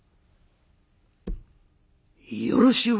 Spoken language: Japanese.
「よろしゅう